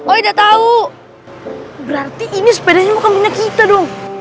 oh tidak tahu berarti ini sepedanya bukan milik kita dong